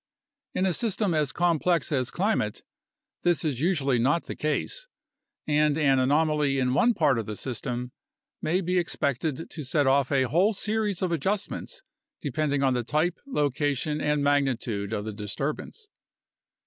In a system as complex as climate, this is usually not the case, and an anomaly in one part of the system may be expected to set off a whole series of adjustments, depending on the type, location, and magnitude of the disturbance.